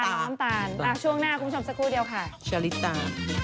น้ำตาลช่วงหน้าคุณผู้ชมสักครู่เดียวค่ะชะลิตา